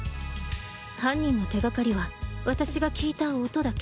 犯人の手がかりは私が聞いた音だけ。